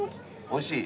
おいしい！